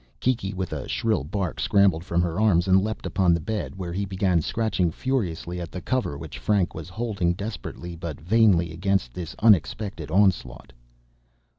Kiki, with a shrill bark, scrambled from her arms and leaped upon the bed where he began scratching furiously at the cover which Frank was holding desperately but vainly against this unexpected onslaught.